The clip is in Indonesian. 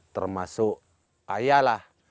termasuk ayah lah